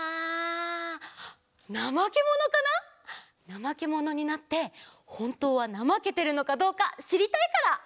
ナマケモノになってほんとうはなまけてるのかどうかしりたいから！